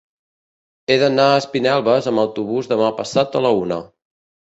He d'anar a Espinelves amb autobús demà passat a la una.